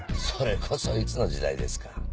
それこそいつの時代ですか？